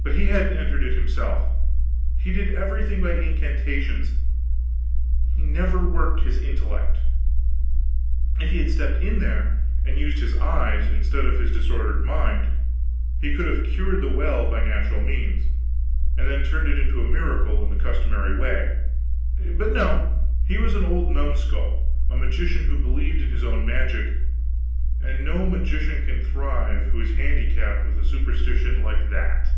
But he hadn't entered it himself. He did everything by incantations; he never worked his intellect. If he had stepped in there and used his eyes, instead of his disordered mind, he could have cured the well by natural means, and then turned it into a miracle in the customary way; but no, he was an old numskull, a magician who believed in his own magic; and no magician can thrive who is handicapped with a superstition like that.